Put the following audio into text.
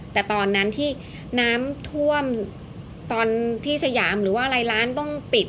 แต่ตอนนั้นที่น้ำท่วมตอนที่สยามหรือว่าอะไรร้านต้องปิด